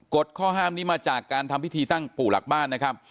ข้อห้ามนี้มาจากการทำพิธีตั้งปู่หลักบ้านนะครับ